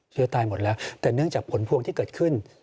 เชื้อตายหมดแล้วแต่เนื่องจากผลพวงที่เกิดขึ้น